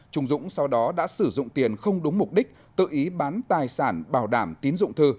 trung dũng sau đó đã sử dụng tiền không đúng mục đích tự ý bán tài sản bảo đảm tín dụng thư